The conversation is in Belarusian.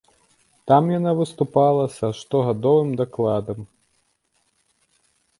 Там яна выступала са штогадовым дакладам.